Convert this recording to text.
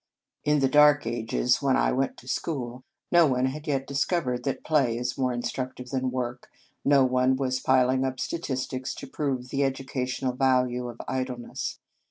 In the dark ages, when I went to school, no one had yet discovered that play is more instructive than work, no one was piling up statistics to prove the educational value of idle ness.